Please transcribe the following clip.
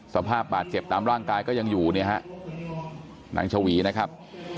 สภาพบาดเจ็บตามร่างกายก็ยังอยู่เนี่ยฮะนางชวีนะครับ